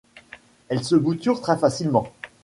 Elle se bouture très facilement.